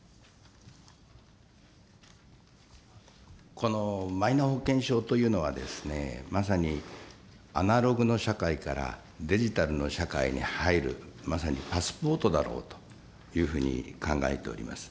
このマイナ保険証というのはですね、まさにアナログの社会から、デジタルの社会に入るまさにパスポートだろうというふうに考えております。